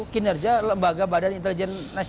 kinerja lembaga badan intelijen